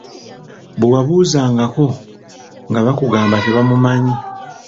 Bwe wabuuzangako nga bakugamba tebamumanyi.